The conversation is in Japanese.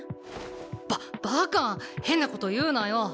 ババカ変なこと言うなよ